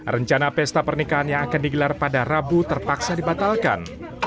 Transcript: rencana pesta pernikahan yang akan digelar pada rabu terpaksa dibatalkan